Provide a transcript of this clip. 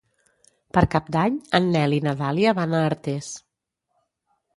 Per Cap d'Any en Nel i na Dàlia van a Artés.